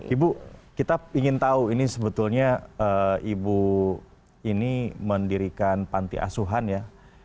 ibu kita ingin tahu ini sebetulnya ibu ini mendirikan pantai aswanya